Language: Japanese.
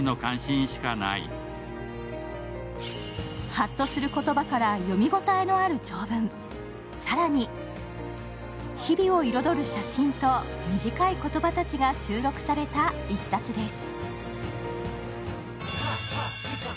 ハッとする言葉から読み応えのある長文、更に、日々を彩る写真と短い言葉たちが収録された一冊です。